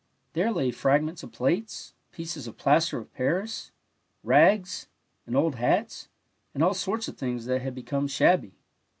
There lay fragments of plates; pieces of plaster of Paris, rags, and old hats, and all sorts of things that had become shabby.